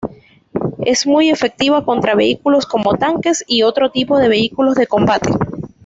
Es muy efectiva contra vehículos como tanques y otro tipo de vehículos de combate.